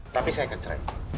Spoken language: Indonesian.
tapi saya akan cerai